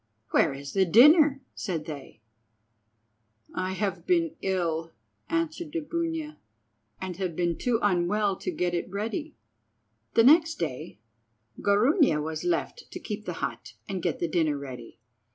"Where is the dinner?" said they. "I have been ill," answered Dubunia, "and have been too unwell to get it ready." The next day Gorunia was left to keep the hut and get the dinner ready.